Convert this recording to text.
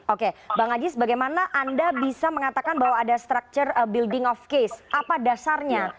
oke bang ajis bagaimana anda bisa mengatakan bahwa ada structure building of case apa dasarnya